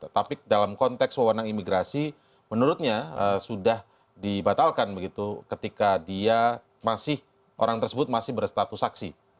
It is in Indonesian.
tapi dalam konteks wewenang imigrasi menurutnya sudah dibatalkan begitu ketika dia masih orang tersebut masih berstatus saksi